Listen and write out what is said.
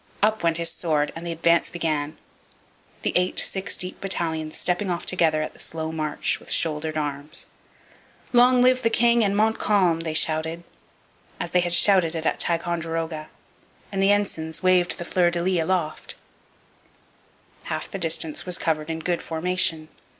Up went his sword, and the advance began, the eight six deep battalions stepping off together at the slow march, with shouldered arms. 'Long live the King and Montcalm!' they shouted, as they had shouted at Ticonderoga; and the ensigns waved the fleurs de lis aloft. Half the distance was covered in good formation.